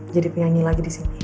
jadi penyanyi lagi disini